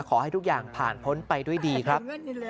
ขอให้ทุกอย่างผ่านพ้นไปด้วยดีครับ